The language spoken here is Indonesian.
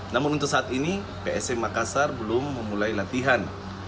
namun untuk saat ini psm makassar belum memulai latihan